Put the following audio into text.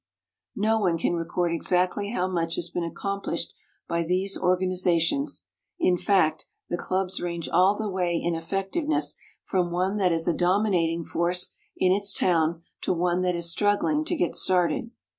No one can record exactly how much has been accomplished by these organizations; in fact, the clubs range all the way in effectiveness from one that is a dominating force in its town to one that is struggling to get started.